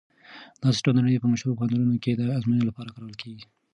دا سیسټم د نړۍ په مشهورو پوهنتونونو کې د ازموینو لپاره کارول کیږي.